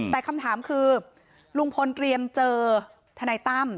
แต่คำถามคือลุงพลเตรียมเจอทนายตั้ม